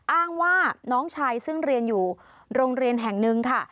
อ้างว่าน้องชายซึ่งเรียนอยู่โรงเรียนแห่งหนึ่งค่ะ